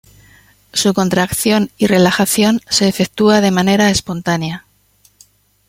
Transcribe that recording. Su contracción y relajación se efectúa de manera espontánea.